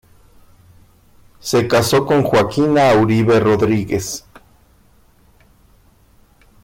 Se casó con Joaquina Uribe Rodríguez.